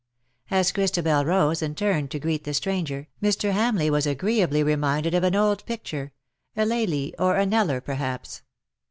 As Christabel rose and turned to greet the stranger, Mr. Hamleigh was agreeably reminded of an old picture — a Lely or a Kneller, perhaps.